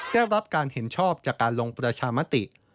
ได้รับการเห็นชอบจากการลงประชามติ